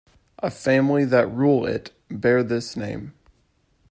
A family that rule it bear this name.